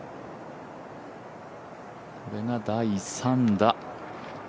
これが第３打。